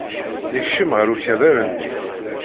Nekcem ɣer ukabar-nni.